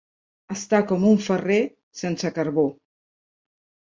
Estar com un ferrer sense carbó.